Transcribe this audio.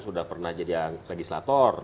sudah pernah jadi legislator